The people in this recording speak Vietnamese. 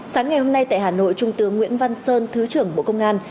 sáng ngày hôm nay tại hà nội trung tướng nguyễn văn sơn thứ trưởng bộ công an